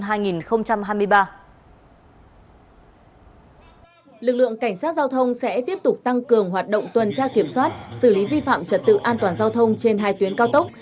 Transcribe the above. lực lượng cảnh sát giao thông sẽ tiếp tục tăng cường hoạt động tuần tra kiểm soát xử lý vi phạm trật tự an toàn giao thông trên hai tuyến cao tốc